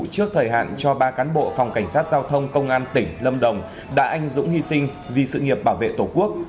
trước thời hạn cho ba cán bộ phòng cảnh sát giao thông công an tỉnh lâm đồng đã anh dũng hy sinh vì sự nghiệp bảo vệ tổ quốc